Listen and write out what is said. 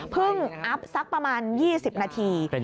อัพสักประมาณ๒๐นาที